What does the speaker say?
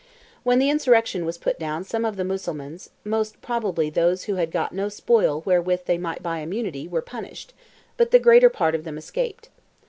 When the insurrection was put down some of the Mussulmans (most probably those who had got no spoil wherewith they might buy immunity) were punished, but the greater part of them escaped.